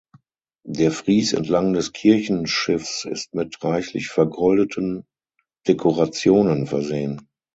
Der Fries entlang des Kirchenschiffs ist mit reichlich vergoldeten Dekorationen versehen.